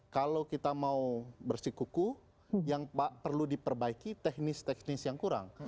kalau kita mau bersikuku yang perlu diperbaiki teknis teknis yang kurang